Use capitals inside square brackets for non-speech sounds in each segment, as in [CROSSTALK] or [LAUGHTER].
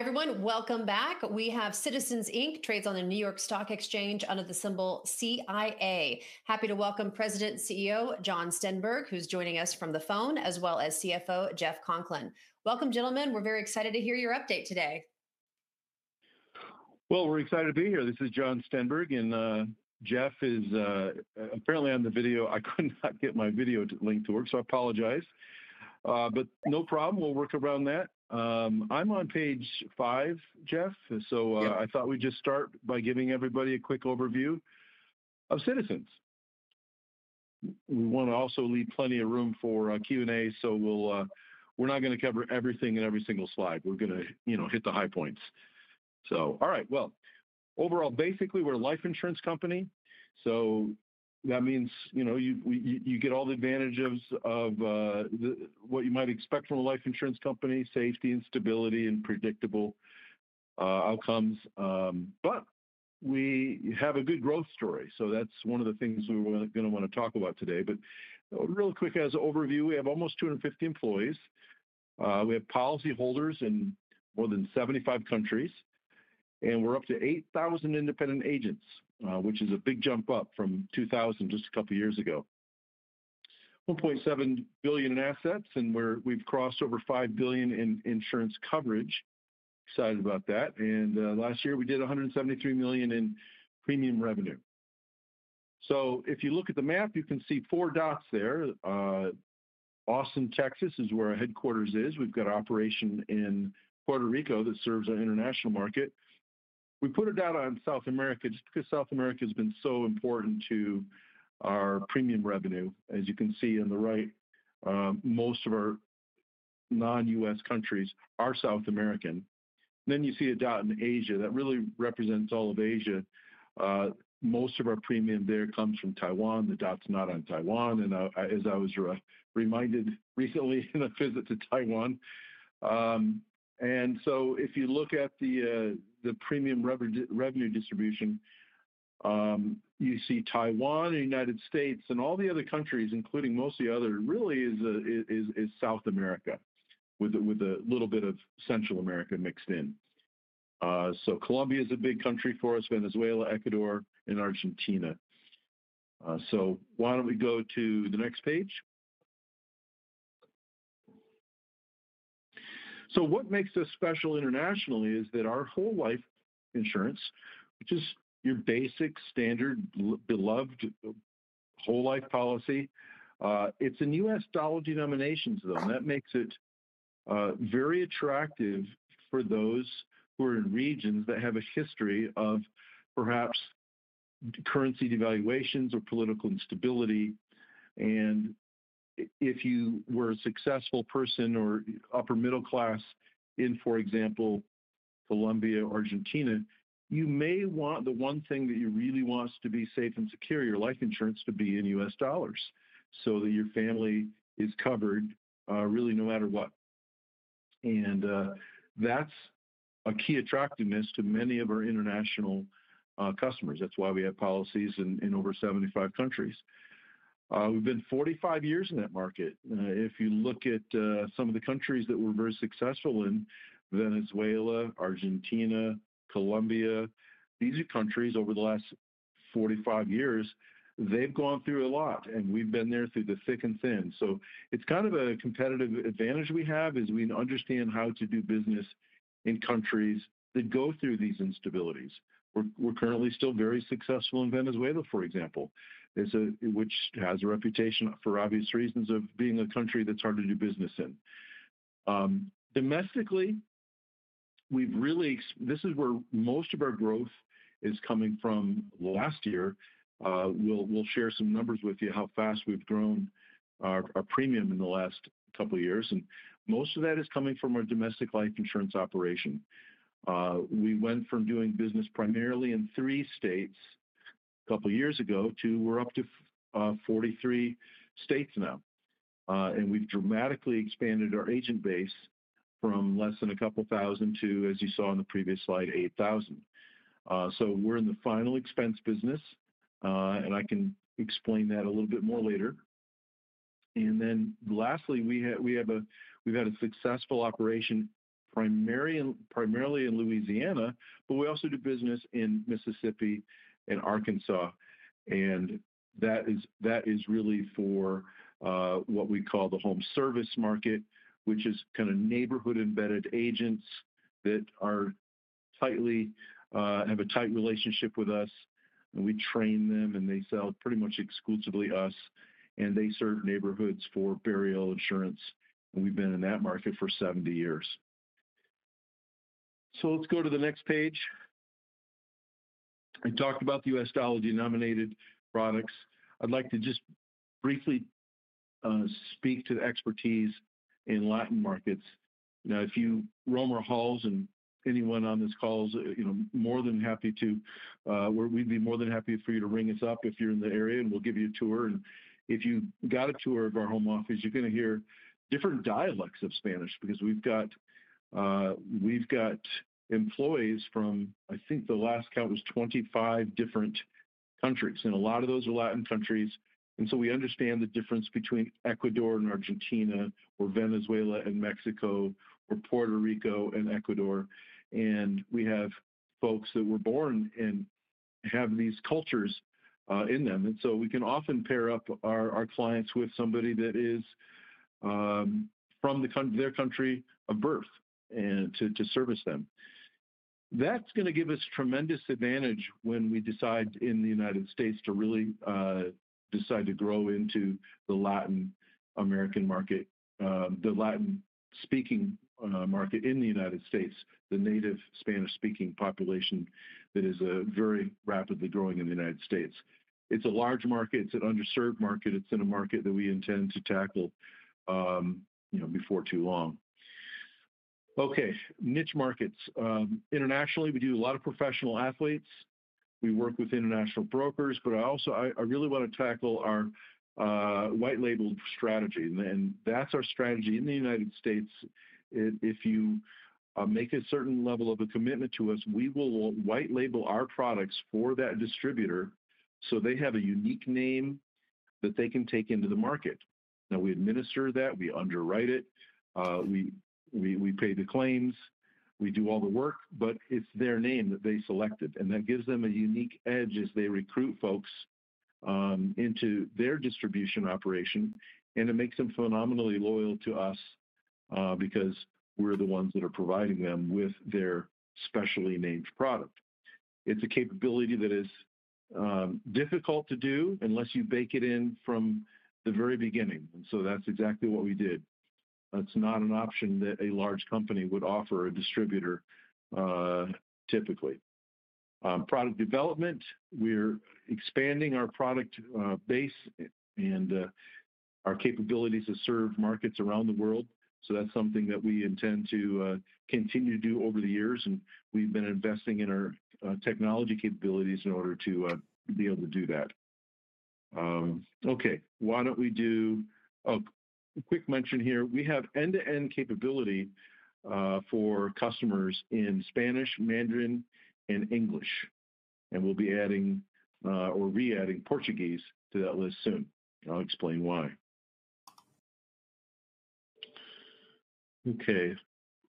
Everyone, welcome back. We have Citizens, Inc., trades on the New York Stock Exchange under the symbol CIA. Happy to welcome President CEO Jon Stenberg, who's joining us from the phone, as well as CFO Jeff Conklin. Welcome, gentlemen. We're very excited to hear your update today. We're excited to be here. This is Jon Stenberg, and Jeff is apparently on the video. I could not get my video link to work, so I apologize. No problem. We'll work around that. I'm on page five, Jeff, so I thought we'd just start by giving everybody a quick overview of Citizens. We want to also leave plenty of room for Q&A, so we're not going to cover everything in every single slide. We're going to hit the high points. All right. Overall, basically, we're a life insurance company. That means you get all the advantages of what you might expect from a life insurance company: safety and stability and predictable outcomes. We have a good growth story. That's one of the things we're going to want to talk about today. Real quick, as an overview, we have almost 250 employees. We have policyholders in more than 75 countries. We're up to 8,000 independent agents, which is a big jump up from 2,000 just a couple of years ago. $1.7 billion in assets, and we've crossed over $5 billion in insurance coverage. Excited about that. Last year, we did $173 million in premium revenue. If you look at the map, you can see four dots there. Austin, Texas, is where our headquarters is. We've got an operation in Puerto Rico that serves our international market. We put a dot on South America just because South America has been so important to our premium revenue. As you can see on the right, most of our non-U.S. countries are South American. You see a dot in Asia. That really represents all of Asia. Most of our premium there comes from Taiwan. The dot's not on Taiwan, as I was reminded recently in a visit to Taiwan. If you look at the premium revenue distribution, you see Taiwan, the United States, and all the other countries, including most of the others, really is South America, with a little bit of Central America mixed in. Colombia is a big country for us, Venezuela, Ecuador, and Argentina. Why don't we go to the next page? What makes us special internationally is that our whole life insurance, which is your basic, standard, beloved whole life policy, it's in U.S. dollar denominations, though. That makes it very attractive for those who are in regions that have a history of perhaps currency devaluations or political instability. If you were a successful person or upper middle class in, for example, Colombia or Argentina, you may want the one thing that you really want to be safe and secure, your life insurance, to be in U.S. dollars so that your family is covered really no matter what. That is a key attractiveness to many of our international customers. That is why we have policies in over 75 countries. We have been 45 years in that market. If you look at some of the countries that we are very successful in, Venezuela, Argentina, Colombia, these are countries over the last 45 years, they have gone through a lot. We have been there through the thick and thin. It is kind of a competitive advantage we have because we understand how to do business in countries that go through these instabilities. We're currently still very successful in Venezuela, for example, which has a reputation for obvious reasons of being a country that's hard to do business in. Domestically, we've really—this is where most of our growth is coming from last year. We'll share some numbers with you how fast we've grown our premium in the last couple of years. Most of that is coming from our domestic life insurance operation. We went from doing business primarily in three states a couple of years ago to—we're up to 43 states now. We've dramatically expanded our agent base from less than a couple thousand to, as you saw on the previous slide, 8,000. We're in the final expense business. I can explain that a little bit more later. Lastly, we have had a successful operation primarily in Louisiana, but we also do business in Mississippi and Arkansas. That is really for what we call the home service market, which is kind of neighborhood-embedded agents that have a tight relationship with us. We train them, and they sell pretty much exclusively to us. They serve neighborhoods for burial insurance. We have been in that market for 70 years. Let's go to the next page. I talked about the U.S. dollar denominated products. I'd like to just briefly speak to the expertise in Latin markets. Now, if you—roam our halls and anyone on this call is more than happy to—we'd be more than happy for you to ring us up if you're in the area, and we'll give you a tour. If you got a tour of our home office, you're going to hear different dialects of Spanish because we've got employees from, I think the last count was 25 different countries. A lot of those are Latin countries. We understand the difference between Ecuador and Argentina or Venezuela and Mexico or Puerto Rico and Ecuador. We have folks that were born and have these cultures in them. We can often pair up our clients with somebody that is from their country of birth to service them. That's going to give us a tremendous advantage when we decide in the United States to really decide to grow into the Latin American market, the Latin-speaking market in the United States, the native Spanish-speaking population that is very rapidly growing in the United States. It's a large market. It's an underserved market. It's in a market that we intend to tackle before too long. Okay. Niche markets. Internationally, we do a lot of professional athletes. We work with international brokers. I really want to tackle our white-label strategy. That's our strategy in the United States. If you make a certain level of a commitment to us, we will white-label our products for that distributor so they have a unique name that they can take into the market. We administer that. We underwrite it. We pay the claims. We do all the work. It's their name that they selected. That gives them a unique edge as they recruit folks into their distribution operation. It makes them phenomenally loyal to us because we're the ones that are providing them with their specially named product. It's a capability that is difficult to do unless you bake it in from the very beginning. That's exactly what we did. That's not an option that a large company would offer a distributor, typically. Product development. We're expanding our product base and our capabilities to serve markets around the world. That's something that we intend to continue to do over the years. We've been investing in our technology capabilities in order to be able to do that. Okay. Why don't we do a quick mention here? We have end-to-end capability for customers in Spanish, Mandarin, and English. We'll be adding or re-adding Portuguese to that list soon. I'll explain why. Okay.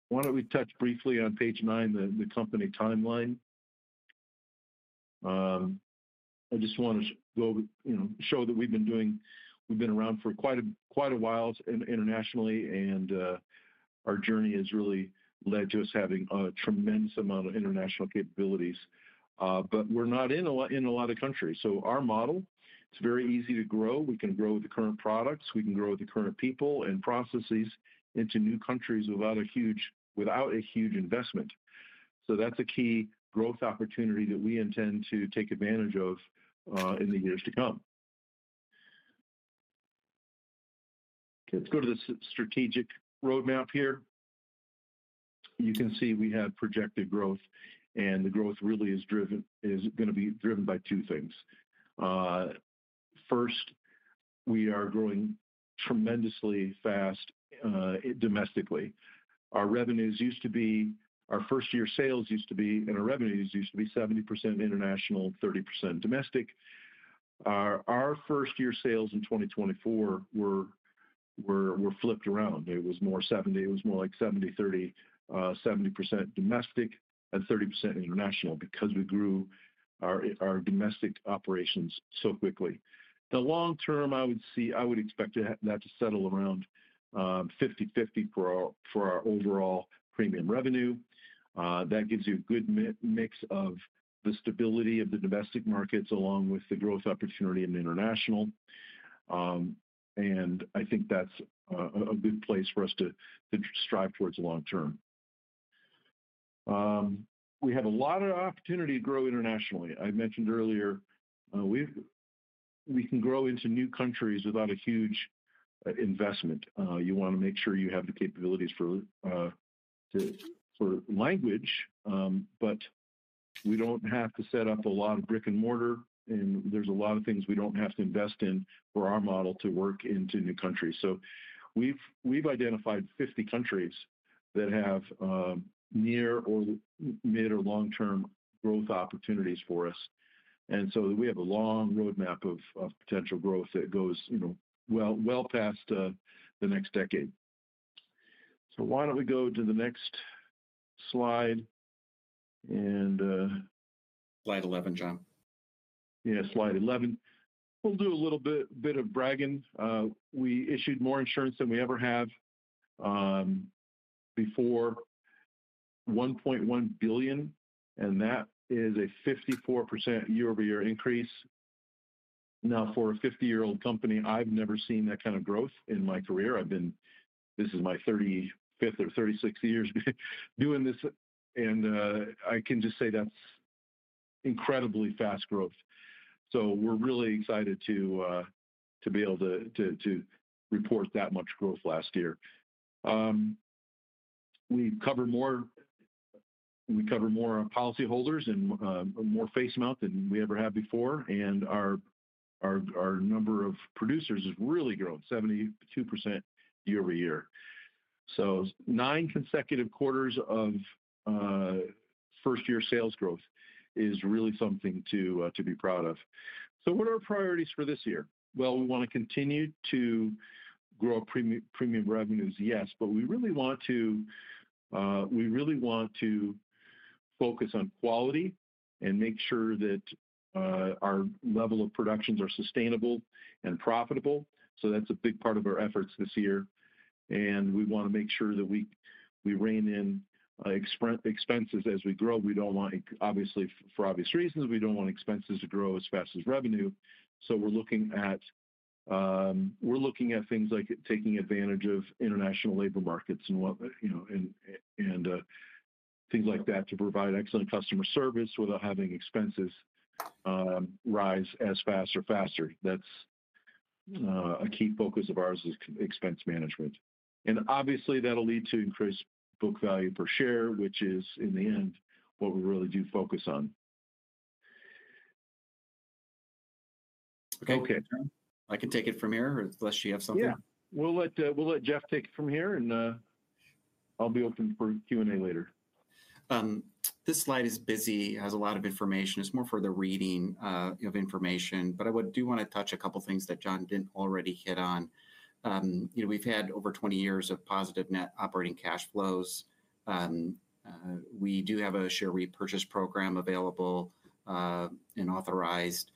Why don't we touch briefly on page nine, the company timeline? I just want to show that we've been around for quite a while internationally. Our journey has really led to us having a tremendous amount of international capabilities. We are not in a lot of countries. Our model, it's very easy to grow. We can grow with the current products. We can grow with the current people and processes into new countries without a huge investment. That is a key growth opportunity that we intend to take advantage of in the years to come. Okay. Let's go to the strategic roadmap here. You can see we have projected growth. The growth really is going to be driven by two things. First, we are growing tremendously fast domestically. Our revenues used to be—our first-year sales used to be—and our revenues used to be 70% international, 30% domestic. Our first-year sales in 2024 were flipped around. It was more like 70/30, 70% domestic and 30% international because we grew our domestic operations so quickly. The long term, I would expect that to settle around 50/50 for our overall premium revenue. That gives you a good mix of the stability of the domestic markets along with the growth opportunity in international. I think that's a good place for us to strive towards long term. We have a lot of opportunity to grow internationally. I mentioned earlier we can grow into new countries without a huge investment. You want to make sure you have the capabilities for language. We don't have to set up a lot of brick and mortar. There are a lot of things we don't have to invest in for our model to work into new countries. We have identified 50 countries that have near or mid or long-term growth opportunities for us. We have a long roadmap of potential growth that goes well past the next decade. Why don't we go to the next slide? Slide 11, Jon. Yeah. Slide 11. We'll do a little bit of bragging. We issued more insurance than we ever have before, $1.1 billion. That is a 54% year-over-year increase. For a 50-year-old company, I've never seen that kind of growth in my career. This is my 35th or 36th year doing this. I can just say that's incredibly fast growth. We're really excited to be able to report that much growth last year. We cover more policyholders and more face amount than we ever have before. Our number of producers has really grown, 72% year-over-year. Nine consecutive quarters of first-year sales growth is really something to be proud of. What are our priorities for this year? We want to continue to grow premium revenues, yes. We really want to focus on quality and make sure that our level of productions are sustainable and profitable. That is a big part of our efforts this year. We want to make sure that we rein in expenses as we grow. Obviously, for obvious reasons, we do not want expenses to grow as fast as revenue. We are looking at things like taking advantage of international labor markets and things like that to provide excellent customer service without having expenses rise as fast or faster. That is a key focus of ours, expense management. Obviously, that will lead to increased book value per share, which is, in the end, what we really do focus on. Okay. Okay. I can take it from here, unless you have something. Yeah. We'll let Jeff take it from here. I'll be open for Q&A later. This slide is busy. It has a lot of information. It's more for the reading of information. I do want to touch a couple of things that Jon did not already hit on. We've had over 20 years of positive net operating cash flows. We do have a share repurchase program available and authorized.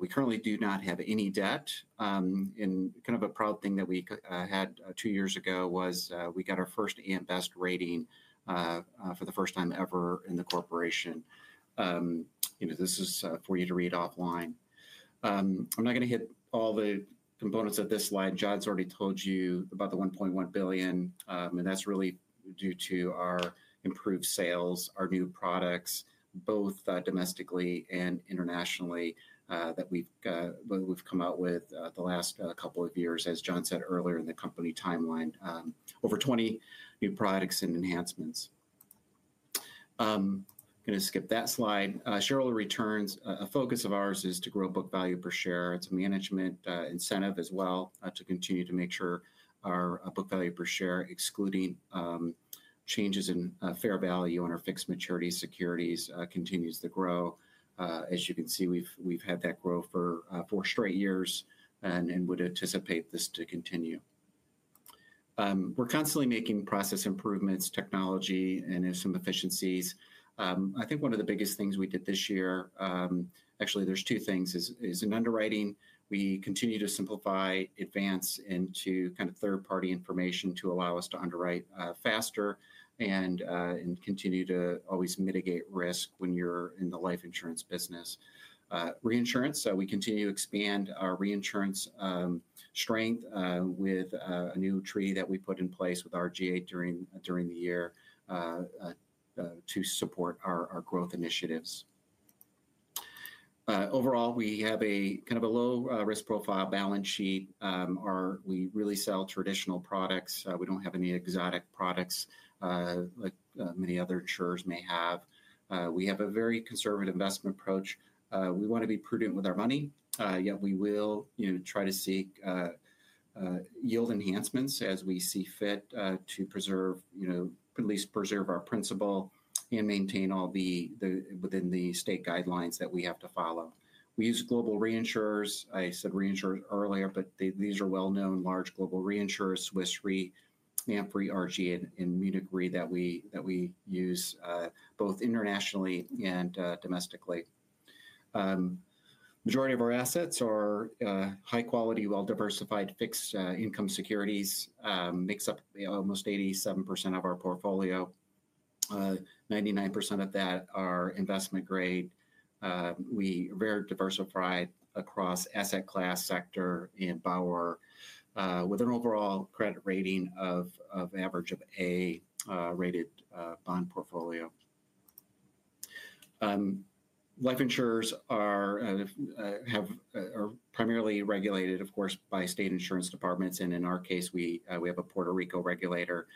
We currently do not have any debt. Kind of a proud thing that we had two years ago was we got our first A.M. Best rating for the first time ever in the corporation. This is for you to read offline. I'm not going to hit all the components of this slide. Jon's already told you about the $1.1 billion. That is really due to our improved sales, our new products, both domestically and internationally, that we have come out with the last couple of years, as Jon said earlier in the company timeline, over 20 new products and enhancements. I am going to skip that slide. Shareholder returns, a focus of ours is to grow book value per share. It is a management incentive as well to continue to make sure our book value per share, excluding changes in fair value on our fixed maturity securities, continues to grow. As you can see, we have had that grow for four straight years and would anticipate this to continue. We are constantly making process improvements, technology, and some efficiencies. I think one of the biggest things we did this year, actually, there are two things, is in underwriting. We continue to simplify, advance into kind of third-party information to allow us to underwrite faster and continue to always mitigate risk when you're in the life insurance business. Reinsurance, so we continue to expand our reinsurance strength with a new treaty that we put in place with RGA during the year to support our growth initiatives. Overall, we have a kind of a low-risk profile balance sheet. We really sell traditional products. We don't have any exotic products like many other insurers may have. We have a very conservative investment approach. We want to be prudent with our money. Yet we will try to seek yield enhancements as we see fit to at least preserve our principal and maintain all within the state guidelines that we have to follow. We use global reinsurers. I said reinsurers earlier, but these are well-known large global reinsurers: Swiss Re, AmTrust, RGA, and Munich Re that we use both internationally and domestically. The majority of our assets are high-quality, well-diversified fixed income securities. It makes up almost 87% of our portfolio. 99% of that are investment grade. We are very diversified across asset class, sector, and power, with an overall credit rating of average of A-rated bond portfolio. Life insurers are primarily regulated, of course, by state insurance departments. In our case, we have a Puerto Rico regulator.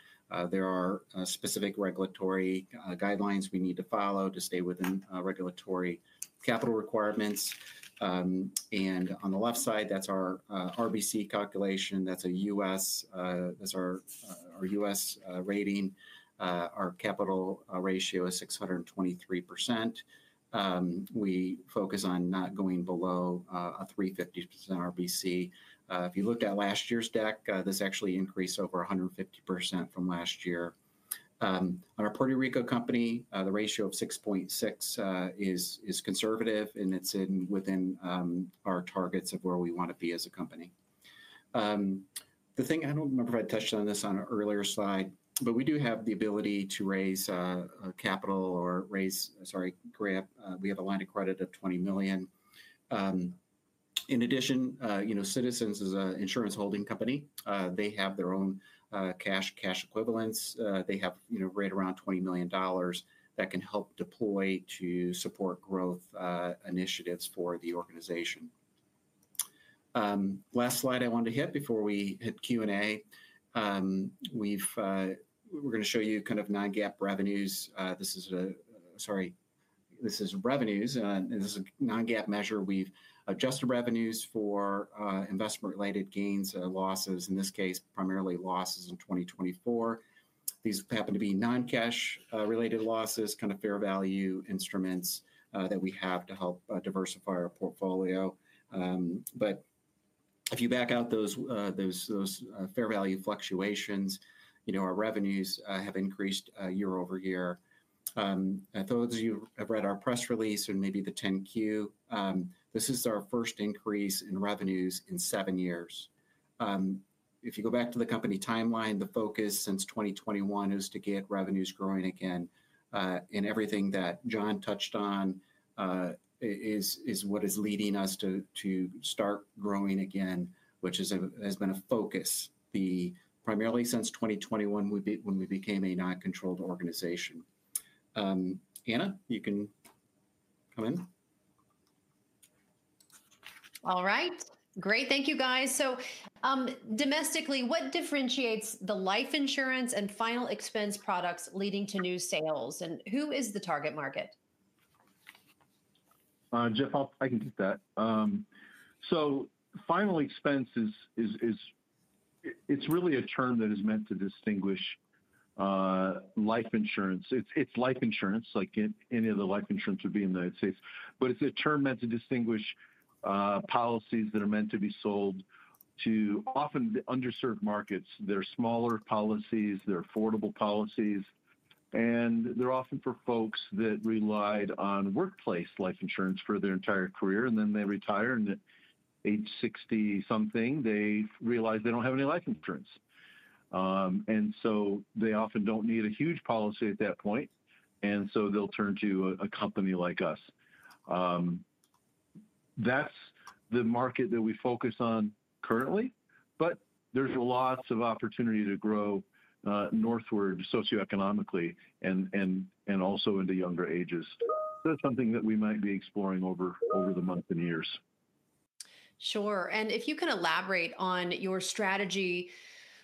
There are specific regulatory guidelines we need to follow to stay within regulatory capital requirements. On the left side, that's our RBC calculation. That's our U.S. rating. Our capital ratio is 623%. We focus on not going below a 350% RBC. If you looked at last year's deck, this actually increased over 150% from last year. On our Puerto Rico company, the ratio of 6.6 is conservative, and it's within our targets of where we want to be as a company. The thing I don't remember if I touched on this on an earlier slide, but we do have the ability to raise capital or raise, sorry, grab. We have a line of credit of $20 million. In addition, Citizens is an insurance holding company. They have their own cash equivalents. They have right around $20 million that can help deploy to support growth initiatives for the organization. Last slide I wanted to hit before we hit Q&A. We're going to show you kind of non-GAAP revenues. This is a, sorry. This is revenues. And this is a non-GAAP measure. We've adjusted revenues for investment-related gains or losses, in this case, primarily losses in 2024. These happen to be non-cash-related losses, kind of fair value instruments that we have to help diversify our portfolio. If you back out those fair value fluctuations, our revenues have increased year-over-year. For those of you who have read our press release and maybe the 10-Q, this is our first increase in revenues in seven years. If you go back to the company timeline, the focus since 2021 is to get revenues growing again. Everything that Jon touched on is what is leading us to start growing again, which has been a focus, primarily since 2021 when we became a non-controlled organization. Anna, you can come in. All right. Great. Thank you, guys. Domestically, what differentiates the life insurance and final expense products leading to new sales? Who is the target market? Jeff, I can take that. Final expense, it's really a term that is meant to distinguish life insurance. It's life insurance, like any other life insurance would be in the United States. It's a term meant to distinguish policies that are meant to be sold to often underserved markets. They're smaller policies. They're affordable policies. They're often for folks that relied on workplace life insurance for their entire career. They retire, and at age 60-something, they realize they don't have any life insurance. They often don't need a huge policy at that point. They'll turn to a company like us. That's the market that we focus on currently. There's lots of opportunity to grow northward socioeconomically and also into younger ages. That's something that we might be exploring over the months and years. Sure. If you can elaborate on your strategy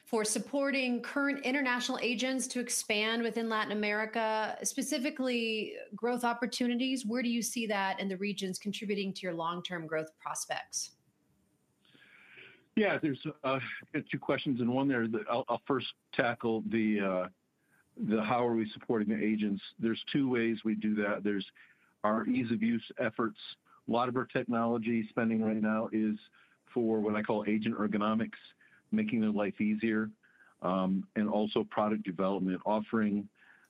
for supporting current international agents to expand within Latin America, specifically growth opportunities, where do you see that in the regions contributing to your long-term growth prospects? Yeah. There are two questions in one there. I'll first tackle the how are we supporting the agents. There are two ways we do that. There are our ease-of-use efforts. A lot of our technology spending right now is for what I call agent ergonomics, making their life easier. Also, product development, offering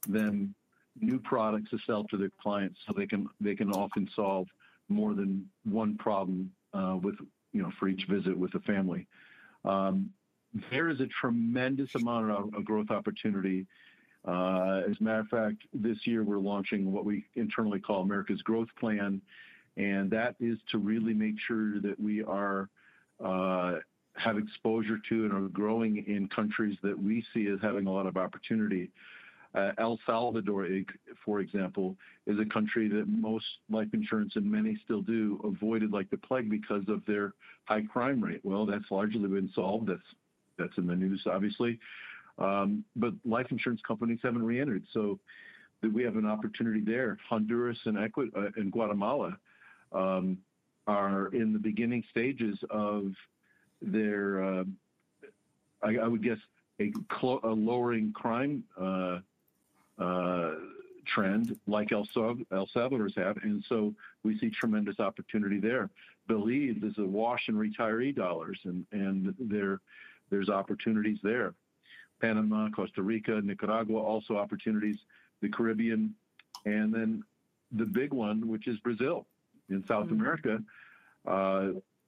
them new products to sell to their clients so they can often solve more than one problem for each visit with the family. There is a tremendous amount of growth opportunity. As a matter of fact, this year, we're launching what we internally call Americas Growth Plan. That is to really make sure that we have exposure to and are growing in countries that we see as having a lot of opportunity. El Salvador, for example, is a country that most life insurance, and many still do, avoided like the plague because of their high crime rate. That has largely been solved. That is in the news, obviously. Life insurance companies have not reentered. We have an opportunity there. Honduras and Guatemala are in the beginning stages of their, I would guess, lowering crime trend, like El Salvador's has. We see tremendous opportunity there. Belize is awash in retiree dollars. There are opportunities there. Panama, Costa Rica, Nicaragua, also opportunities. The Caribbean. The big one, which is Brazil in South America.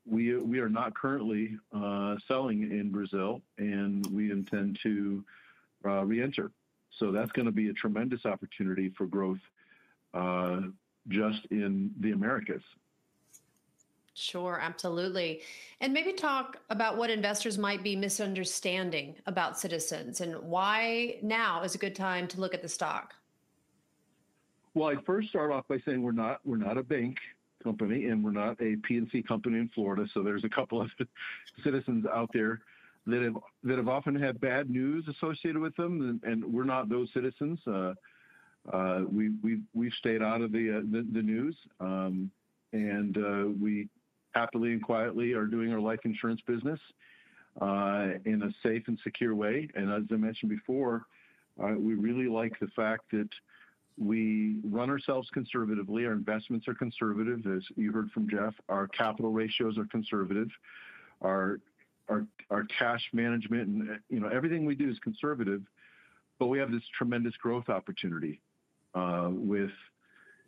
We are not currently selling in Brazil. We intend to reenter. That's going to be a tremendous opportunity for growth just in the Americas. Sure. Absolutely. Maybe talk about what investors might be misunderstanding about Citizens and why now is a good time to look at the stock. I'd first start off by saying we're not a bank company. We're not a P&C company in Florida. There are a couple of Citizens out there that have often had bad news associated with them. We're not those Citizens. We've stayed out of the news. We happily and quietly are doing our life insurance business in a safe and secure way. As I mentioned before, we really like the fact that we run ourselves conservatively. Our investments are conservative, as you heard from Jeff. Our capital ratios are conservative. Our cash management and everything we do is conservative. We have this tremendous growth opportunity with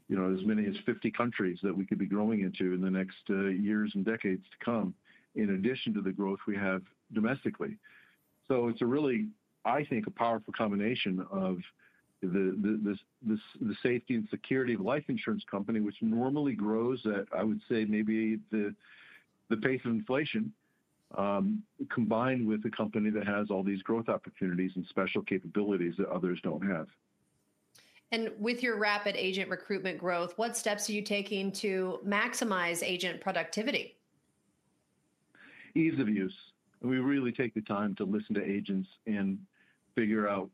as many as 50 countries that we could be growing into in the next years and decades to come, in addition to the growth we have domestically. It is a really, I think, a powerful combination of the safety and security of a life insurance company, which normally grows at, I would say, maybe the pace of inflation, combined with a company that has all these growth opportunities and special capabilities that others do not have. With your rapid agent recruitment growth, what steps are you taking to maximize agent productivity? Ease of use. We really take the time to listen to agents and figure out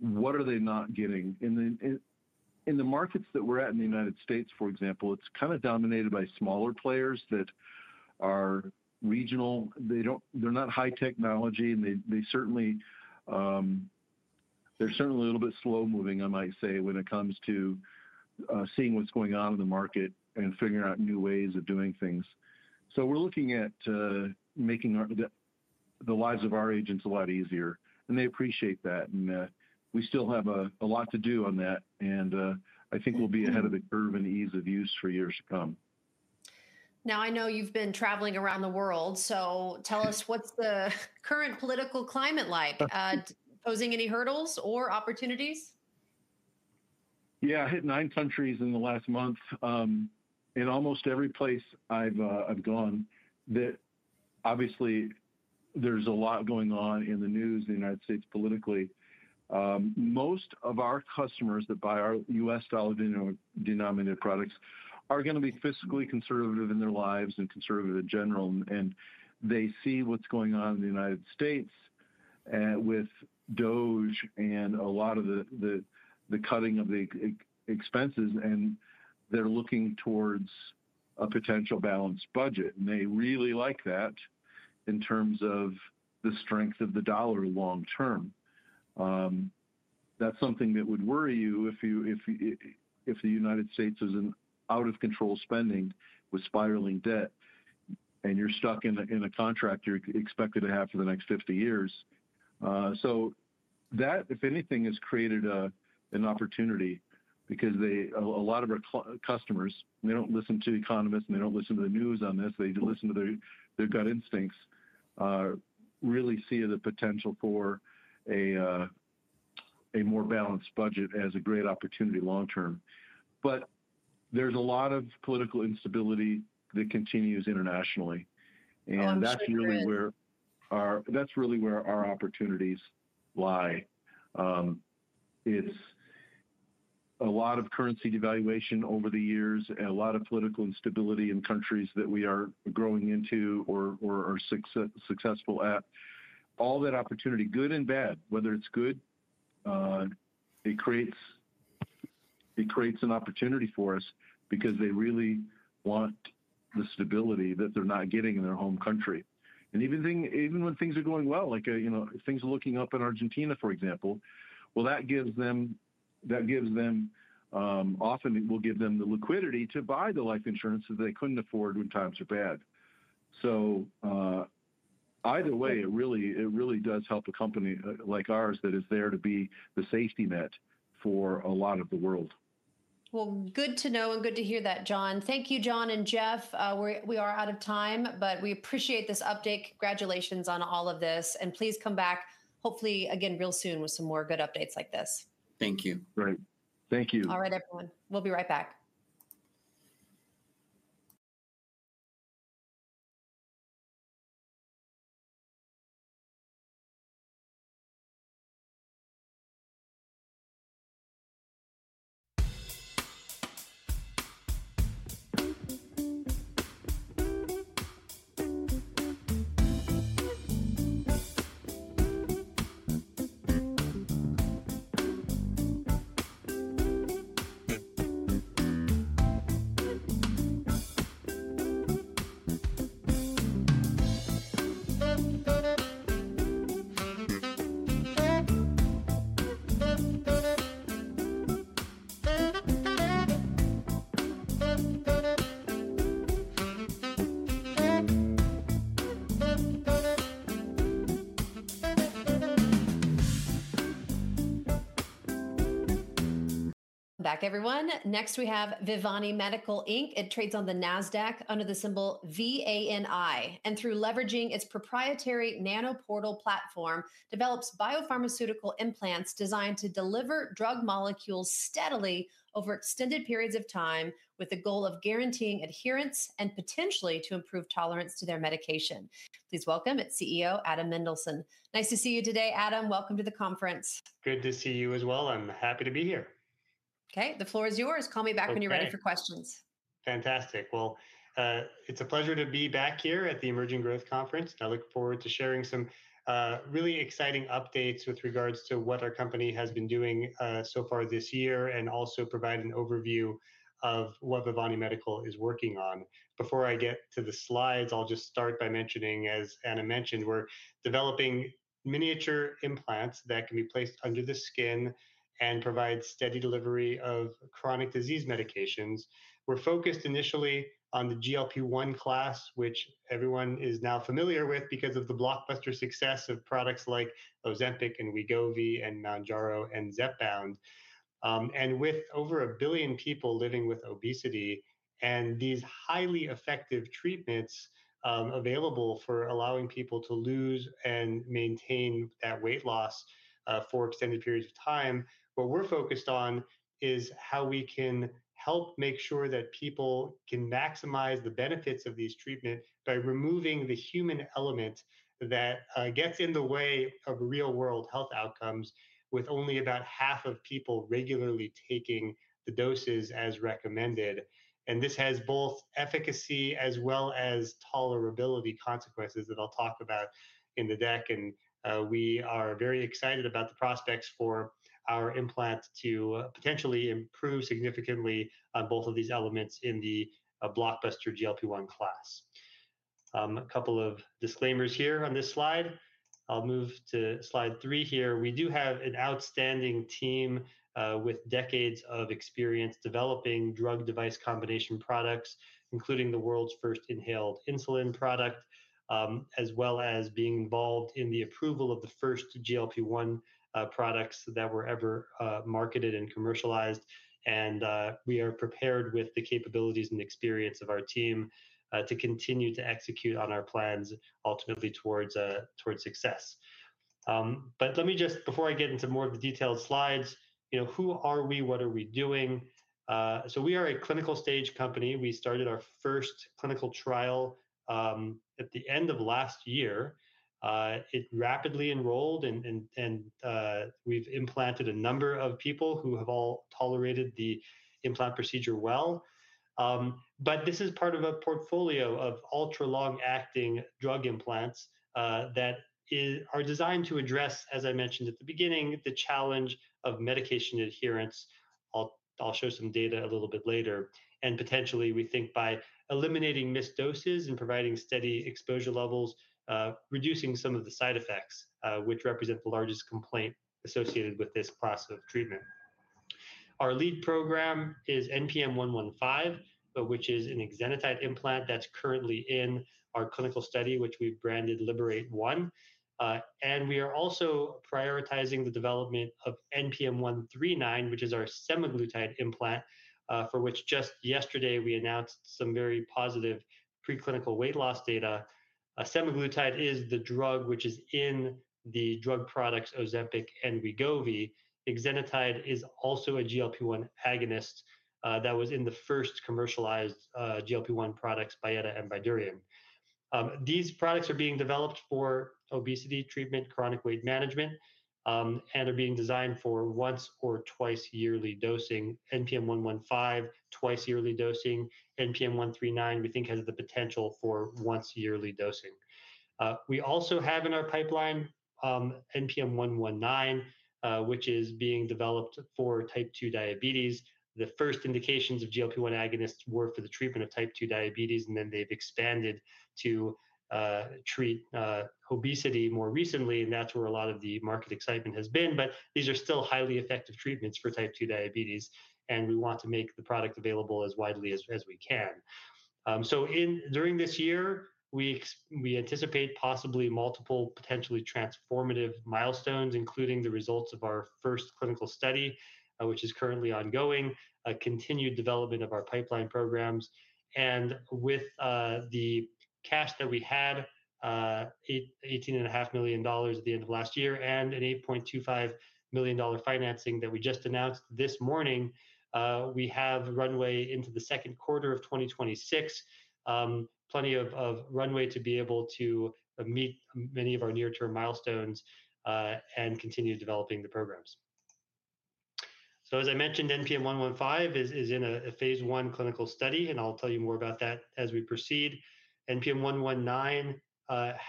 what are they not getting. In the markets that we are at in the United States, for example, it is kind of dominated by smaller players that are regional. They are not high technology. They're certainly a little bit slow-moving, I might say, when it comes to seeing what's going on in the market and figuring out new ways of doing things. We're looking at making the lives of our agents a lot easier. They appreciate that. We still have a lot to do on that. I think we'll be ahead of the curve in ease of use for years to come. I know you've been traveling around the world. Tell us, what's the current political climate like? Posing any hurdles or opportunities? Yeah. I hit nine countries in the last month. In almost every place I've gone, obviously, there's a lot going on in the news in the United States politically. Most of our customers that buy our U.S. dollar denominated products are going to be fiscally conservative in their lives and conservative in general. They see what's going on in the U.S. with DOGE and a lot of the cutting of the expenses. They're looking towards a potential balanced budget. They really like that in terms of the strength of the dollar long-term. That's something that would worry you if the U.S. is in out-of-control spending with spiraling debt and you're stuck in a contract you're expected to have for the next 50 years. If anything, that has created an opportunity because a lot of our customers, they don't listen to economists, and they don't listen to the news on this. They listen to their gut instincts, really see the potential for a more balanced budget as a great opportunity long-term. There is a lot of political instability that continues internationally. [CROSSTALK] That's really where our opportunities lie. It's a lot of currency devaluation over the years, a lot of political instability in countries that we are growing into or are successful at. All that opportunity, good and bad, whether it's good, it creates an opportunity for us because they really want the stability that they're not getting in their home country. Even when things are going well, like things are looking up in Argentina, for example, that gives them, often will give them, the liquidity to buy the life insurance that they couldn't afford when times are bad. Either way, it really does help a company like ours that is there to be the safety net for a lot of the world. Good to know and good to hear that, Jon. Thank you, Jon and Jeff. We are out of time, but we appreciate this update. Congratulations on all of this. Please come back, hopefully, again, real soon with some more good updates like this. Thank you. Great. Thank you. All right, everyone. We'll be right back. Next, we have Vivani Medical Inc. It trades on the NASDAQ under the symbol VANI. Through leveraging its proprietary NanoPortal platform, it develops biopharmaceutical implants designed to deliver drug molecules steadily over extended periods of time with the goal of guaranteeing adherence and potentially to improve tolerance to their medication. Please welcome its CEO, Adam Mendelsohn. Nice to see you today, Adam. Welcome to the conference. Good to see you as well. I'm happy to be here. The floor is yours. [CROSSTALK] Call me back when you're ready for questions. Fantastic. It is a pleasure to be back here at the Emerging Growth Conference. I look forward to sharing some really exciting updates with regards to what our company has been doing so far this year and also provide an overview of what Vivani Medical is working on. Before I get to the slides, I'll just start by mentioning, as Anna mentioned, we're developing miniature implants that can be placed under the skin and provide steady delivery of chronic disease medications. We're focused initially on the GLP-1 class, which everyone is now familiar with because of the blockbuster success of products like Ozempic and Wegovy and Mounjaro and Zepbound. With over a billion people living with obesity and these highly effective treatments available for allowing people to lose and maintain that weight loss for extended periods of time, what we're focused on is how we can help make sure that people can maximize the benefits of these treatments by removing the human element that gets in the way of real-world health outcomes with only about half of people regularly taking the doses as recommended. This has both efficacy as well as tolerability consequences that I'll talk about in the deck. We are very excited about the prospects for our implant to potentially improve significantly on both of these elements in the blockbuster GLP-1 class. A couple of disclaimers here on this slide. I'll move to slide three here. We do have an outstanding team with decades of experience developing drug-device combination products, including the world's first inhaled insulin product, as well as being involved in the approval of the first GLP-1 products that were ever marketed and commercialized. We are prepared with the capabilities and experience of our team to continue to execute on our plans, ultimately towards success. Let me just, before I get into more of the detailed slides, who are we? What are we doing? We are a clinical stage company. We started our first clinical trial at the end of last year. It rapidly enrolled. We have implanted a number of people who have all tolerated the implant procedure well. This is part of a portfolio of ultra-long-acting drug implants that are designed to address, as I mentioned at the beginning, the challenge of medication adherence. I'll show some data a little bit later. Potentially, we think by eliminating missed doses and providing steady exposure levels, reducing some of the side effects, which represent the largest complaint associated with this class of treatment. Our lead program is NPM-115, which is an exenatide implant that's currently in our clinical study, which we've branded Liberate One. We are also prioritizing the development of NPM-139, which is our semaglutide implant, for which just yesterday we announced some very positive preclinical weight loss data. Semaglutide is the drug which is in the drug products Ozempic and Wegovy. Exenatide is also a GLP-1 agonist that was in the first commercialized GLP-1 products, Byetta and Bydureon. These products are being developed for obesity treatment, chronic weight management, and are being designed for once or twice yearly dosing. NPM-115, twice yearly dosing. NPM-139, we think, has the potential for once yearly dosing. We also have in our pipeline NPM-119, which is being developed for type 2 diabetes. The first indications of GLP-1 agonists were for the treatment of type 2 diabetes. They have expanded to treat obesity more recently. That is where a lot of the market excitement has been. These are still highly effective treatments for type 2 diabetes. We want to make the product available as widely as we can. During this year, we anticipate possibly multiple, potentially transformative milestones, including the results of our first clinical study, which is currently ongoing, continued development of our pipeline programs. With the cash that we had, $18.5 million at the end of last year and an $8.25 million financing that we just announced this morning, we have runway into the second quarter of 2026, plenty of runway to be able to meet many of our near-term milestones and continue developing the programs. As I mentioned, NPM-115 is in a phase one clinical study. I'll tell you more about that as we proceed. NPM-119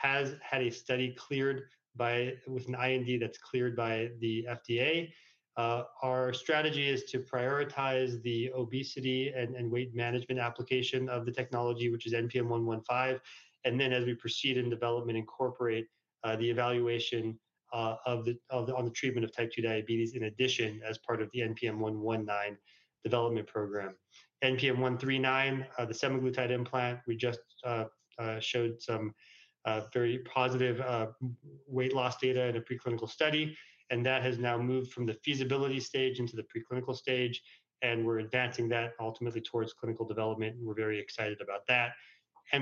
has had a study cleared with an IND that's cleared by the FDA. Our strategy is to prioritize the obesity and weight management application of the technology, which is NPM-115. As we proceed in development, incorporate the evaluation on the treatment of type 2 diabetes in addition as part of the NPM-119 development program. NPM-139, the semaglutide implant, we just showed some very positive weight loss data in a preclinical study. That has now moved from the feasibility stage into the preclinical stage. We're advancing that ultimately towards clinical development. We're very excited about that.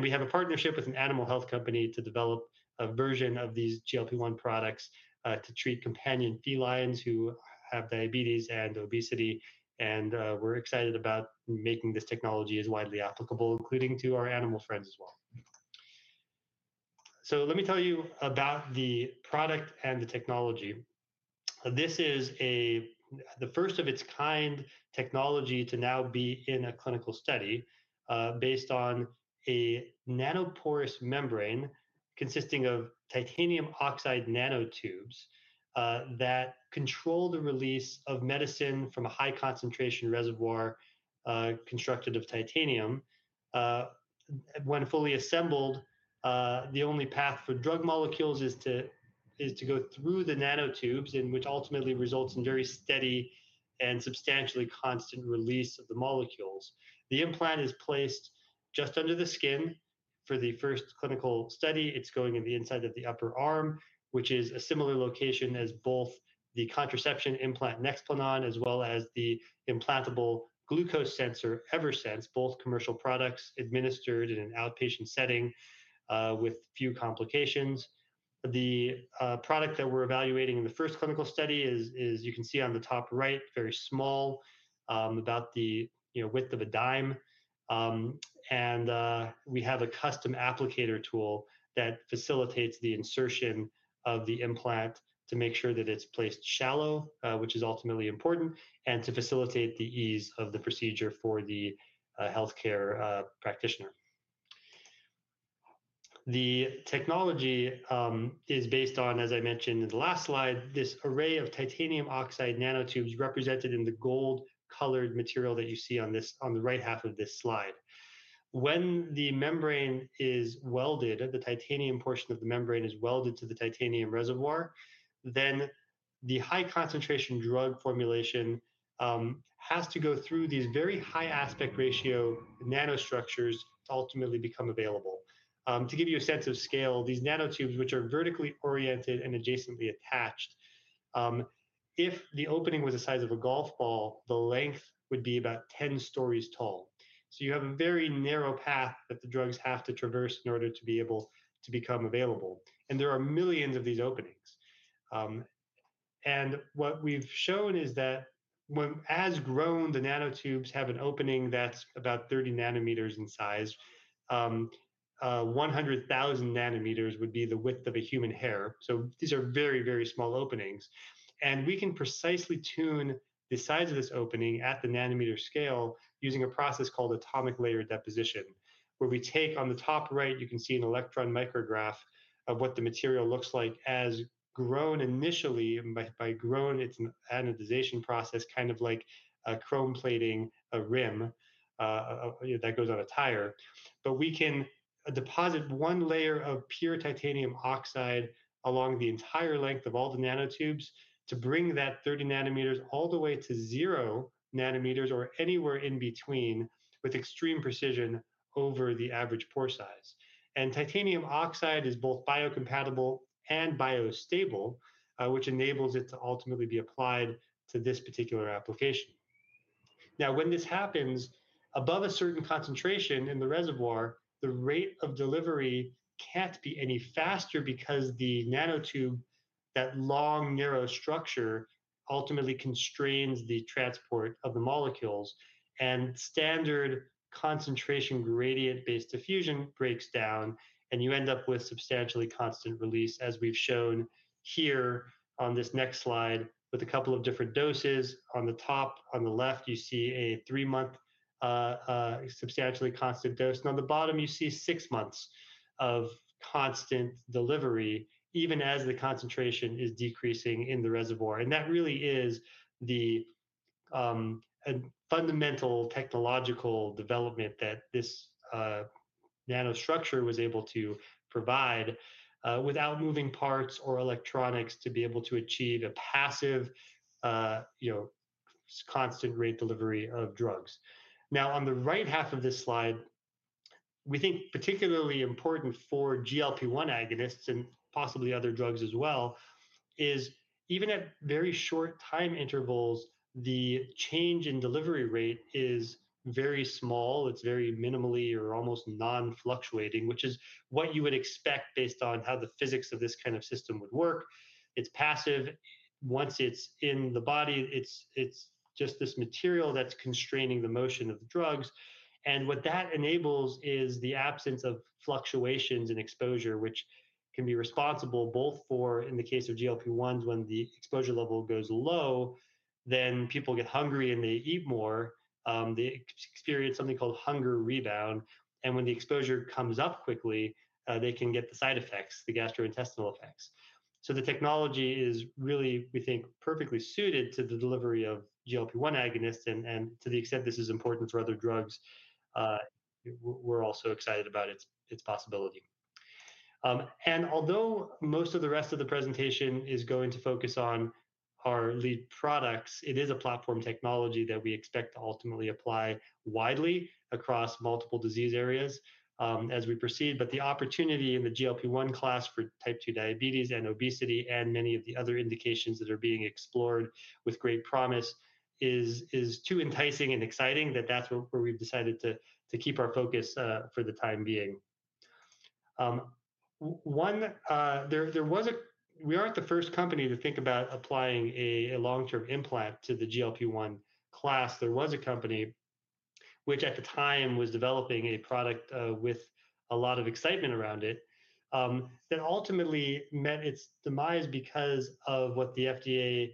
We have a partnership with an animal health company to develop a version of these GLP-1 products to treat companion felines who have diabetes and obesity. We're excited about making this technology as widely applicable, including to our animal friends as well. Let me tell you about the product and the technology. This is the first of its kind technology to now be in a clinical study based on a nanoporous membrane consisting of titanium oxide nanotubes that control the release of medicine from a high-concentration reservoir constructed of titanium. When fully assembled, the only path for drug molecules is to go through the nanotubes, which ultimately results in very steady and substantially constant release of the molecules. The implant is placed just under the skin for the first clinical study. It's going in the inside of the upper arm, which is a similar location as both the contraception implant Nexplanon as well as the implantable glucose sensor Eversense, both commercial products administered in an outpatient setting with few complications. The product that we're evaluating in the first clinical study is, you can see on the top right, very small, about the width of a dime. And we have a custom applicator tool that facilitates the insertion of the implant to make sure that it's placed shallow, which is ultimately important, and to facilitate the ease of the procedure for the healthcare practitioner. The technology is based on, as I mentioned in the last slide, this array of titanium oxide nanotubes represented in the gold-colored material that you see on the right half of this slide. When the membrane is welded, the titanium portion of the membrane is welded to the titanium reservoir, then the high-concentration drug formulation has to go through these very high aspect ratio nanostructures to ultimately become available. To give you a sense of scale, these nanotubes, which are vertically oriented and adjacently attached, if the opening was the size of a golf ball, the length would be about 10 stories tall. You have a very narrow path that the drugs have to traverse in order to be able to become available. There are millions of these openings. What we've shown is that as grown, the nanotubes have an opening that's about 30 nanometers in size. 100,000 nanometers would be the width of a human hair. These are very, very small openings. We can precisely tune the size of this opening at the nanometer scale using a process called atomic layer deposition, where we take on the top right, you can see an electron micrograph of what the material looks like as grown initially by growing its anodization process, kind of like a chrome plating a rim that goes on a tire. We can deposit one layer of pure titanium oxide along the entire length of all the nanotubes to bring that 30 nanometers all the way to 0 nanometers or anywhere in between with extreme precision over the average pore size. Titanium oxide is both biocompatible and biostable, which enables it to ultimately be applied to this particular application. Now, when this happens, above a certain concentration in the reservoir, the rate of delivery can't be any faster because the nanotube, that long, narrow structure, ultimately constrains the transport of the molecules. Standard concentration gradient-based diffusion breaks down. You end up with substantially constant release, as we've shown here on this next slide with a couple of different doses. On the top on the left, you see a three-month substantially constant dose. On the bottom, you see six months of constant delivery, even as the concentration is decreasing in the reservoir. That really is the fundamental technological development that this nanostructure was able to provide without moving parts or electronics to be able to achieve a passive, constant rate delivery of drugs. Now, on the right half of this slide, we think particularly important for GLP-1 agonists and possibly other drugs as well is, even at very short time intervals, the change in delivery rate is very small. It is very minimally or almost non-fluctuating, which is what you would expect based on how the physics of this kind of system would work. It is passive. Once it is in the body, it is just this material that is constraining the motion of the drugs. What that enables is the absence of fluctuations in exposure, which can be responsible both for, in the case of GLP-1s, when the exposure level goes low, then people get hungry and they eat more. They experience something called hunger rebound. When the exposure comes up quickly, they can get the side effects, the gastrointestinal effects. The technology is really, we think, perfectly suited to the delivery of GLP-1 agonists. To the extent this is important for other drugs, we're also excited about its possibility. Although most of the rest of the presentation is going to focus on our lead products, it is a platform technology that we expect to ultimately apply widely across multiple disease areas as we proceed. The opportunity in the GLP-1 class for type 2 diabetes and obesity and many of the other indications that are being explored with great promise is too enticing and exciting that that's where we've decided to keep our focus for the time being. There was a—we aren't the first company to think about applying a long-term implant to the GLP-1 class. There was a company which, at the time, was developing a product with a lot of excitement around it that ultimately met its demise because of what the FDA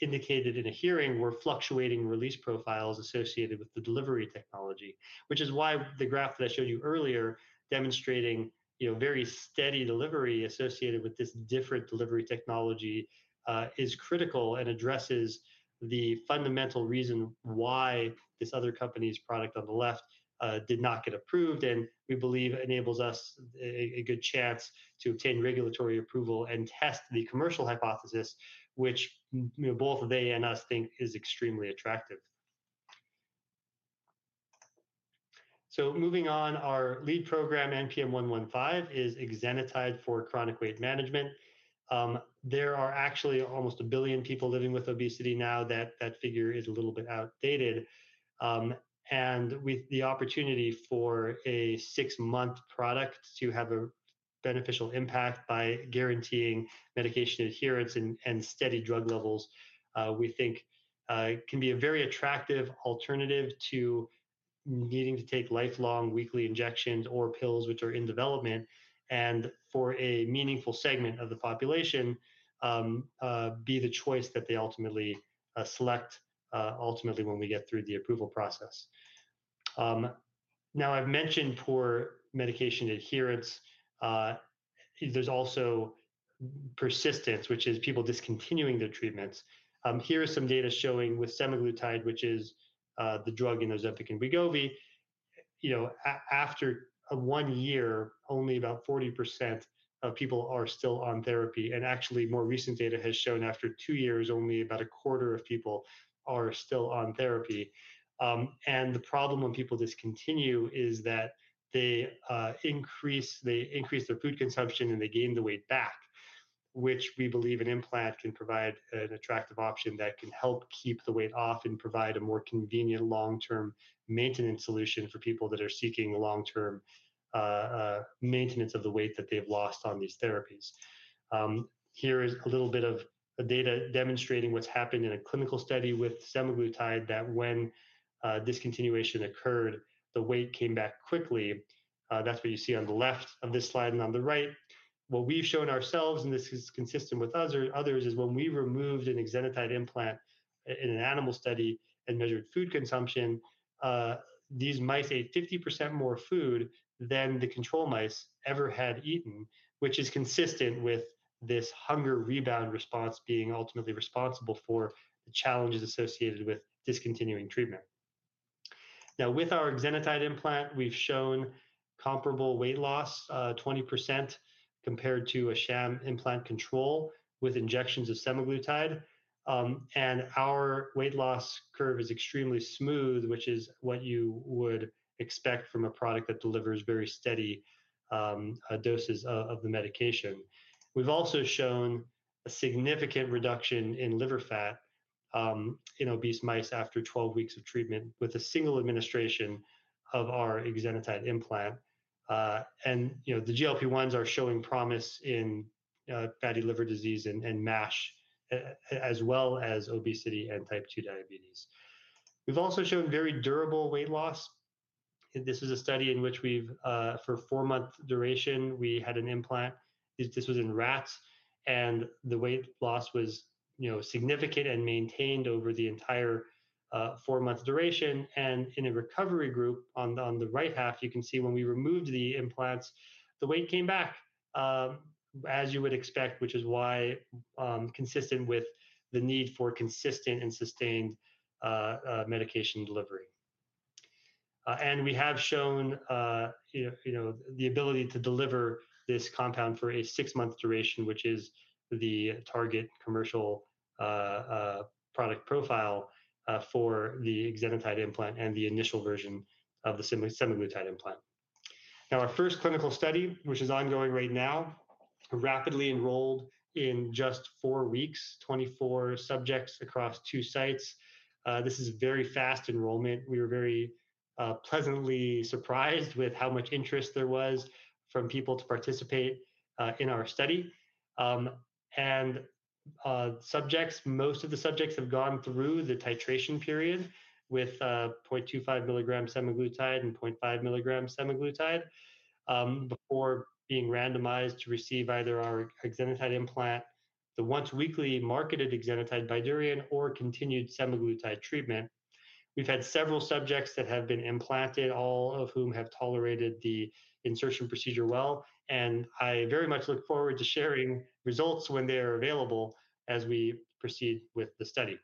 indicated in a hearing were fluctuating release profiles associated with the delivery technology, which is why the graph that I showed you earlier demonstrating very steady delivery associated with this different delivery technology is critical and addresses the fundamental reason why this other company's product on the left did not get approved. We believe it enables us a good chance to obtain regulatory approval and test the commercial hypothesis, which both they and us think is extremely attractive. Moving on, our lead program, NPM-115, is exenatide for chronic weight management. There are actually almost a billion people living with obesity now. That figure is a little bit outdated. With the opportunity for a six-month product to have a beneficial impact by guaranteeing medication adherence and steady drug levels, we think it can be a very attractive alternative to needing to take lifelong weekly injections or pills, which are in development, and for a meaningful segment of the population be the choice that they ultimately select when we get through the approval process. Now, I've mentioned poor medication adherence. There's also persistence, which is people discontinuing their treatments. Here is some data showing with semaglutide, which is the drug in Ozempic and Wegovy, after one year, only about 40% of people are still on therapy. Actually, more recent data has shown after two years, only about a quarter of people are still on therapy. The problem when people discontinue is that they increase their food consumption and they gain the weight back, which we believe an implant can provide an attractive option that can help keep the weight off and provide a more convenient long-term maintenance solution for people that are seeking long-term maintenance of the weight that they've lost on these therapies. Here is a little bit of data demonstrating what's happened in a clinical study with semaglutide that when discontinuation occurred, the weight came back quickly. That's what you see on the left of this slide and on the right. What we've shown ourselves, and this is consistent with others, is when we removed an exenatide implant in an animal study and measured food consumption, these mice ate 50% more food than the control mice ever had eaten, which is consistent with this hunger rebound response being ultimately responsible for the challenges associated with discontinuing treatment. Now, with our exenatide implant, we've shown comparable weight loss, 20%, compared to a sham implant control with injections of semaglutide. Our weight loss curve is extremely smooth, which is what you would expect from a product that delivers very steady doses of the medication. We've also shown a significant reduction in liver fat in obese mice after 12 weeks of treatment with a single administration of our exenatide implant. The GLP-1s are showing promise in fatty liver disease and MASH as well as obesity and type 2 diabetes. have also shown very durable weight loss. This is a study in which we have, for a four-month duration, we had an implant. This was in rats. The weight loss was significant and maintained over the entire four-month duration. In a recovery group on the right half, you can see when we removed the implants, the weight came back, as you would expect, which is consistent with the need for consistent and sustained medication delivery. We have shown the ability to deliver this compound for a six-month duration, which is the target commercial product profile for the exenatide implant and the initial version of the semaglutide implant. Now, our first clinical study, which is ongoing right now, rapidly enrolled in just four weeks, 24 subjects across two sites. This is very fast enrollment. We were very pleasantly surprised with how much interest there was from people to participate in our study. Most of the subjects have gone through the titration period with 0.25 milligram semaglutide and 0.5 milligram semaglutide before being randomized to receive either our exenatide implant, the once-weekly marketed exenatide Bydureon, or continued semaglutide treatment. We have had several subjects that have been implanted, all of whom have tolerated the insertion procedure well. I very much look forward to sharing results when they are available as we proceed with the study.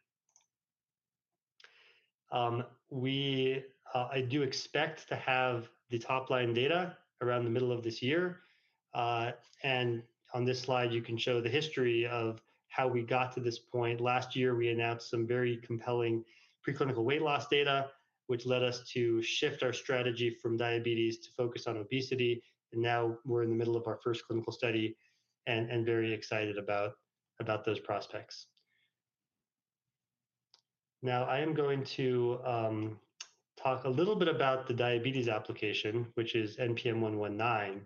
I do expect to have the top-line data around the middle of this year. On this slide, you can show the history of how we got to this point. Last year, we announced some very compelling preclinical weight loss data, which led us to shift our strategy from diabetes to focus on obesity. We are in the middle of our first clinical study and very excited about those prospects. I am going to talk a little bit about the diabetes application, which is NPM-119.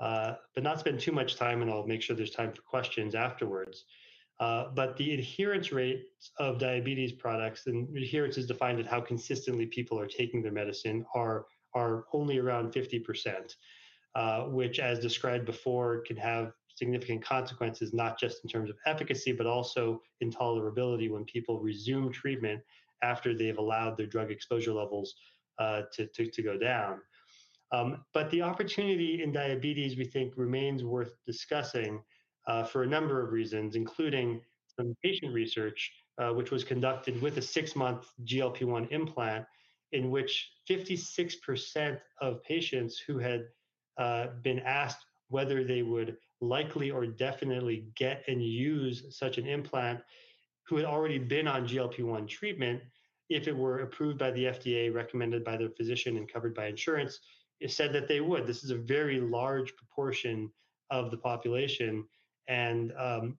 I will not spend too much time, and I'll make sure there's time for questions afterwards. The adherence rate of diabetes products, and adherence is defined as how consistently people are taking their medicine, are only around 50%, which, as described before, can have significant consequences, not just in terms of efficacy, but also intolerability when people resume treatment after they've allowed their drug exposure levels to go down. The opportunity in diabetes, we think, remains worth discussing for a number of reasons, including some patient research, which was conducted with a six-month GLP-1 implant, in which 56% of patients who had been asked whether they would likely or definitely get and use such an implant, who had already been on GLP-1 treatment, if it were approved by the FDA, recommended by their physician, and covered by insurance, said that they would. This is a very large proportion of the population and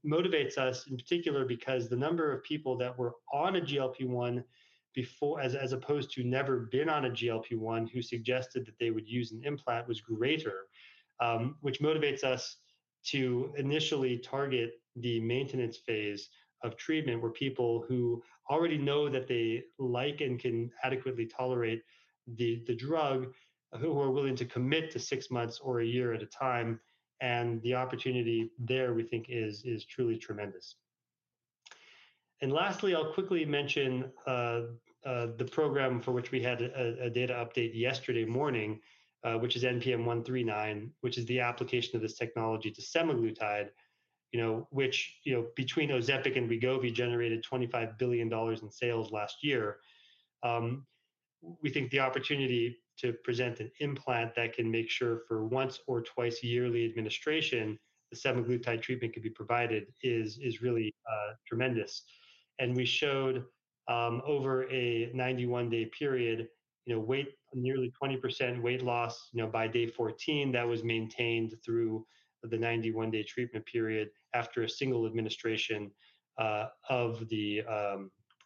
motivates us, in particular, because the number of people that were on a GLP-1, as opposed to never been on a GLP-1, who suggested that they would use an implant, was greater, which motivates us to initially target the maintenance phase of treatment, where people who already know that they like and can adequately tolerate the drug, who are willing to commit to six months or a year at a time. The opportunity there, we think, is truly tremendous. Lastly, I'll quickly mention the program for which we had a data update yesterday morning, which is NPM-139, which is the application of this technology to semaglutide, which, between Ozempic and Wegovy, generated $25 billion in sales last year. We think the opportunity to present an implant that can make sure for once or twice yearly administration, the semaglutide treatment can be provided is really tremendous. We showed over a 91-day period, nearly 20% weight loss by day 14. That was maintained through the 91-day treatment period after a single administration of the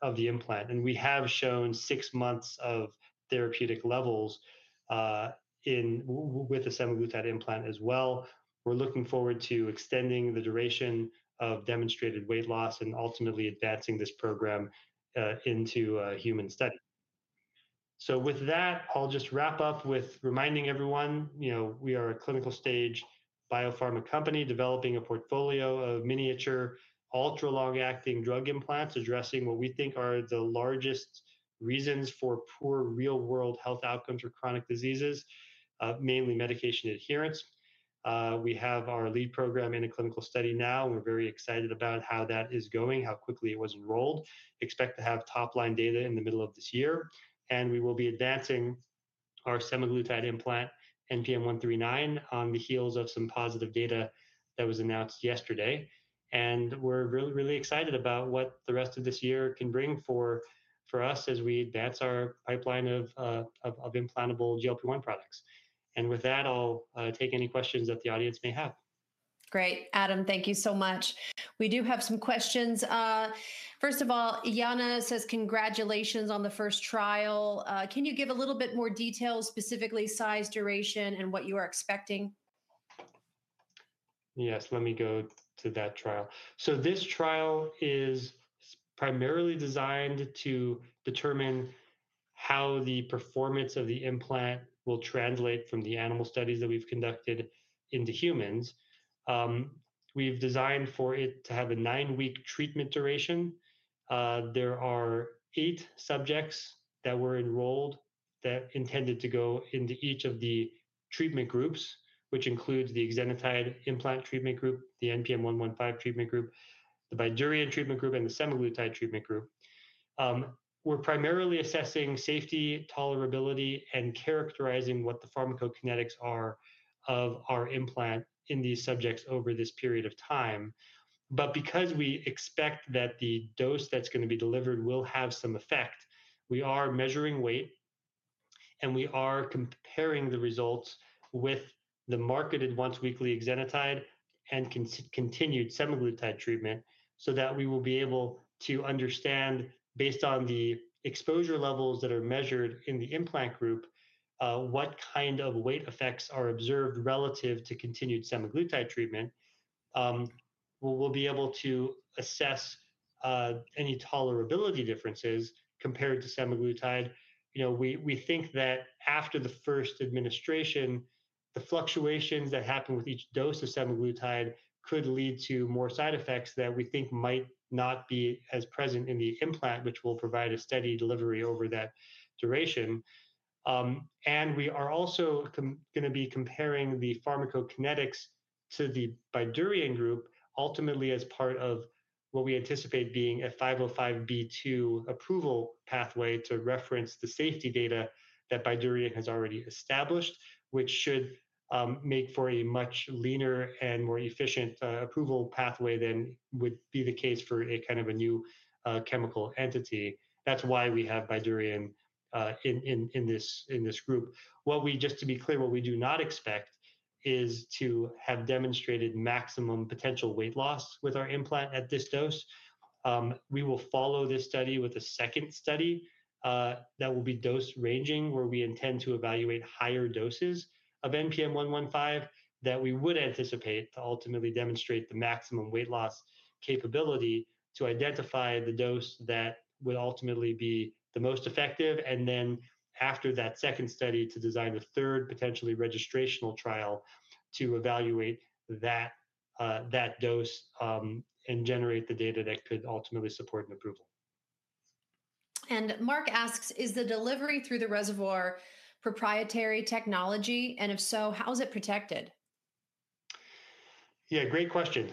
implant. We have shown six months of therapeutic levels with the semaglutide implant as well. We are looking forward to extending the duration of demonstrated weight loss and ultimately advancing this program into human studies. With that, I'll just wrap up with reminding everyone we are a clinical stage biopharma company developing a portfolio of miniature ultra-long-acting drug implants addressing what we think are the largest reasons for poor real-world health outcomes for chronic diseases, mainly medication adherence. We have our lead program in a clinical study now. We're very excited about how that is going, how quickly it was enrolled. Expect to have top-line data in the middle of this year. We will be advancing our semaglutide implant, NPM-139, on the heels of some positive data that was announced yesterday. We're really, really excited about what the rest of this year can bring for us as we advance our pipeline of implantable GLP-1 products. With that, I'll take any questions that the audience may have. Great. Adam, thank you so much. We do have some questions. First of all, Yana says, "Congratulations on the first trial. Can you give a little bit more detail, specifically size, duration, and what you are expecting? Yes. Let me go to that trial. This trial is primarily designed to determine how the performance of the implant will translate from the animal studies that we've conducted into humans. We've designed for it to have a nine-week treatment duration. There are eight subjects that were enrolled that intended to go into each of the treatment groups, which includes the exenatide implant treatment group, the NPM-115 treatment group, the Bydureon treatment group, and the semaglutide treatment group. We're primarily assessing safety, tolerability, and characterizing what the pharmacokinetics are of our implant in these subjects over this period of time. Because we expect that the dose that's going to be delivered will have some effect, we are measuring weight, and we are comparing the results with the marketed once-weekly exenatide and continued semaglutide treatment so that we will be able to understand, based on the exposure levels that are measured in the implant group, what kind of weight effects are observed relative to continued semaglutide treatment. We'll be able to assess any tolerability differences compared to semaglutide. We think that after the first administration, the fluctuations that happen with each dose of semaglutide could lead to more side effects that we think might not be as present in the implant, which will provide a steady delivery over that duration. We are also going to be comparing the pharmacokinetics to the Bydureon group, ultimately as part of what we anticipate being a 505(b)(2) approval pathway to reference the safety data that Bydureon has already established, which should make for a much leaner and more efficient approval pathway than would be the case for a kind of a new chemical entity. That is why we have Bydureon in this group. Just to be clear, what we do not expect is to have demonstrated maximum potential weight loss with our implant at this dose. We will follow this study with a second study that will be dose ranging, where we intend to evaluate higher doses of NPM-115 that we would anticipate to ultimately demonstrate the maximum weight loss capability to identify the dose that would ultimately be the most effective. After that second study, to design the third potentially registrational trial to evaluate that dose and generate the data that could ultimately support an approval. Mark asks, "Is the delivery through the reservoir proprietary technology? And if so, how is it protected? Yeah, great question.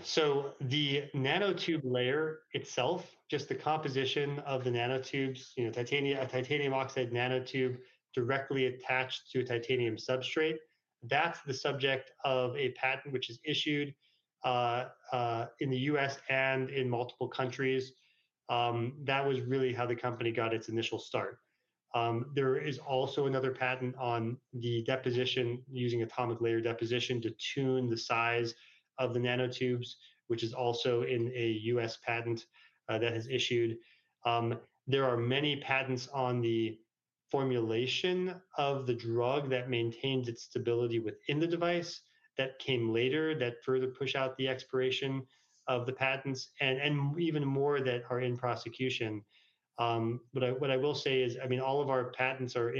The nanotube layer itself, just the composition of the nanotubes, titanium oxide nanotube directly attached to a titanium substrate, that's the subject of a patent which is issued in the U.S. and in multiple countries. That was really how the company got its initial start. There is also another patent on the deposition using atomic layer deposition to tune the size of the nanotubes, which is also in a U.S. patent that is issued. There are many patents on the formulation of the drug that maintains its stability within the device that came later that further push out the expiration of the patents and even more that are in prosecution. What I will say is, I mean, all of our patents are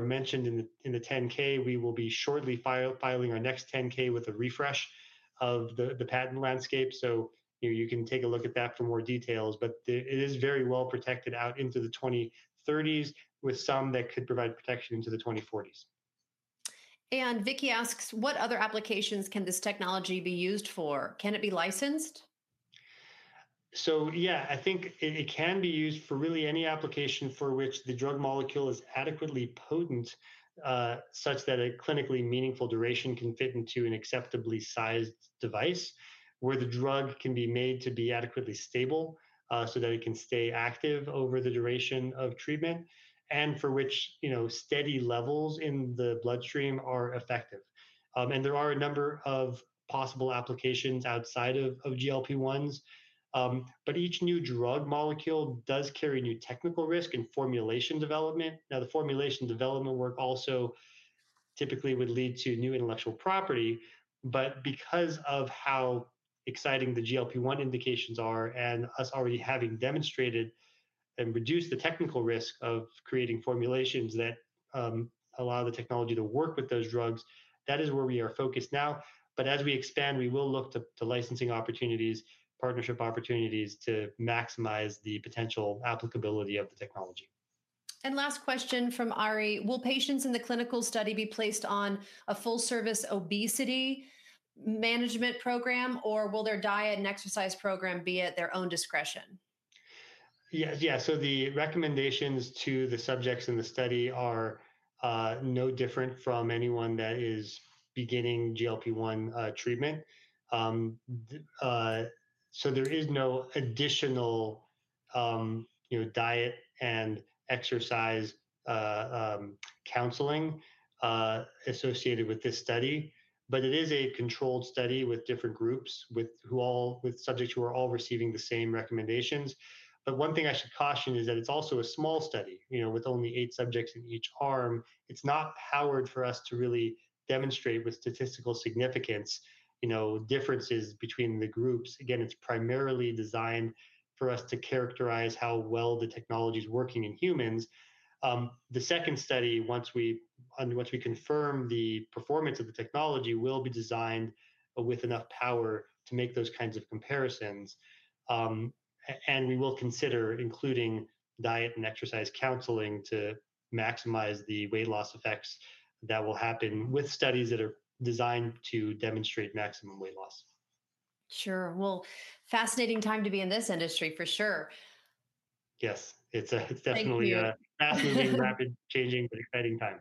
mentioned in the 10-K. We will be shortly filing our next 10-K with a refresh of the patent landscape. You can take a look at that for more details. It is very well protected out into the 2030s with some that could provide protection into the 2040s. Vicky asks, "What other applications can this technology be used for? Can it be licensed? Yeah, I think it can be used for really any application for which the drug molecule is adequately potent such that a clinically meaningful duration can fit into an acceptably sized device, where the drug can be made to be adequately stable so that it can stay active over the duration of treatment, and for which steady levels in the bloodstream are effective. There are a number of possible applications outside of GLP-1s. Each new drug molecule does carry new technical risk in formulation development. The formulation development work also typically would lead to new intellectual property. Because of how exciting the GLP-1 indications are and us already having demonstrated and reduced the technical risk of creating formulations that allow the technology to work with those drugs, that is where we are focused now. As we expand, we will look to licensing opportunities, partnership opportunities to maximize the potential applicability of the technology. Last question from Ari, "Will patients in the clinical study be placed on a full-service obesity management program, or will their diet and exercise program be at their own discretion? Yes. Yeah. The recommendations to the subjects in the study are no different from anyone that is beginning GLP-1 treatment. There is no additional diet and exercise counseling associated with this study. It is a controlled study with different groups, with subjects who are all receiving the same recommendations. One thing I should caution is that it is also a small study with only eight subjects in each arm. It is not powered for us to really demonstrate with statistically significant differences between the groups. Again, it is primarily designed for us to characterize how well the technology is working in humans. The second study, once we confirm the performance of the technology, will be designed with enough power to make those kinds of comparisons. We will consider including diet and exercise counseling to maximize the weight loss effects that will happen with studies that are designed to demonstrate maximum weight loss. Sure. Fascinating time to be in this industry, for sure. Yes. It's [CROSSTALK] definitely a rapid-changing but exciting time.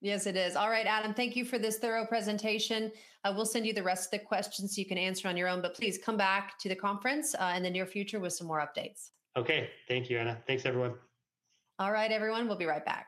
Yes, it is. All right, Adam, thank you for this thorough presentation. We'll send you the rest of the questions so you can answer on your own. Please come back to the conference in the near future with some more updates. OK. Thank you, Anna. Thanks, everyone. All right, everyone. We'll be right back.